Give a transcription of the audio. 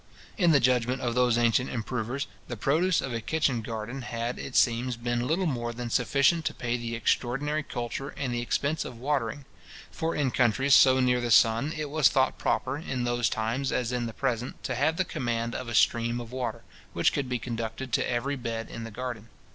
In the judgment of those ancient improvers, the produce of a kitchen garden had, it seems, been little more than sufficient to pay the extraordinary culture and the expense of watering; for in countries so near the sun, it was thought proper, in those times as in the present, to have the command of a stream of water, which could be conducted to every bed in the garden.